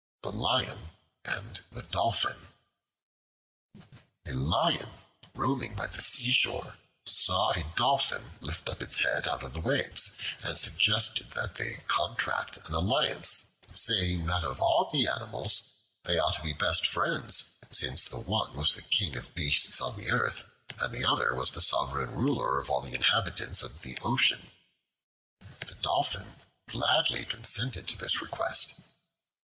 The Lion and the Dolphin A LION roaming by the seashore saw a Dolphin lift up its head out of the waves, and suggested that they contract an alliance, saying that of all the animals they ought to be the best friends, since the one was the king of beasts on the earth, and the other was the sovereign ruler of all the inhabitants of the ocean. The Dolphin gladly consented to this request.